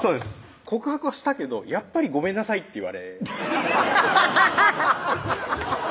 「告白はしたけどやっぱりごめんなさい」って言われたんです